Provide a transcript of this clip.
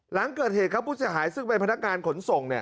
หลังเกิดเหตุครับผู้เสียหายซึ่งเป็นพนักงานขนส่ง